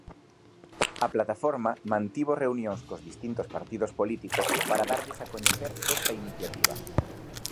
A Plataforma mantivo reunións cos distintos partidos políticos para darlles a coñecer esta iniciativa.